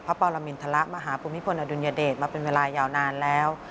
พระปอลมินทะละมหาภูมิพลอดุญเดชมาเป็นเวลายาวนานแล้ว